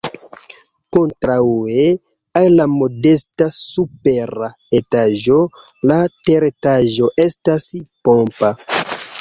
Kontraŭe al la modesta supera etaĝo la teretaĝo estas pompa.